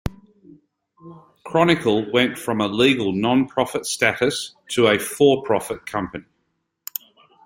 Chronicle went from a legal non-profit status to a for-profit company.